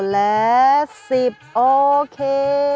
๒๓๔๕๖๗๘๙และ๑๐โอเค